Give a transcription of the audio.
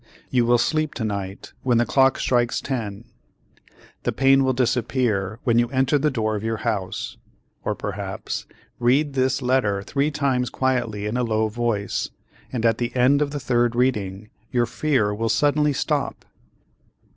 "You will sleep to night when the clock strikes ten," "The pain will disappear when you enter the door of your house," or perhaps, "Read this letter three times quietly in a low voice, and at the end of the third reading your fear will suddenly stop."